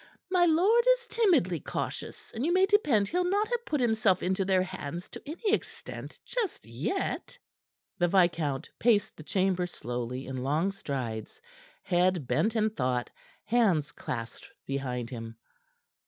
My lord is timidly cautious, and you may depend he'll not have put himself in their hands to any extent just yet." The viscount paced the chamber slowly in long strides, head bent in thought, hands clasped behind him.